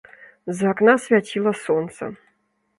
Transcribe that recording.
З акна свяціла сонца.